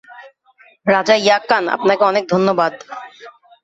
রাজা ইয়াকান, আপনাকে অনেক ধন্যবাদ।